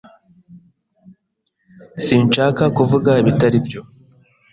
Sinshaka kuvuga ibitari byo.